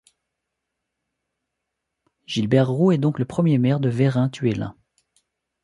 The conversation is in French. Gilbert Roux est donc le premier maire de Veyrins-Thuellin.